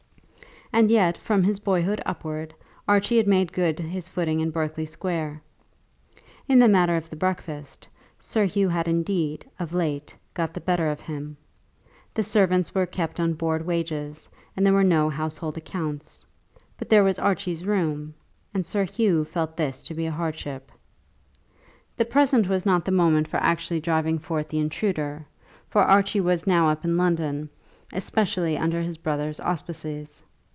And yet from his boyhood upwards Archie had made good his footing in Berkeley Square. In the matter of the breakfast, Sir Hugh had indeed of late got the better of him. The servants were kept on board wages, and there were no household accounts. But there was Archie's room, and Sir Hugh felt this to be a hardship. The present was not the moment for actually driving forth the intruder, for Archie was now up in London, especially under his brother's auspices.